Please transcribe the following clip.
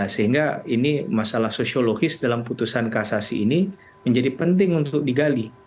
sehingga ini masalah sosiologis dalam putusan kasasi ini menjadi penting untuk digali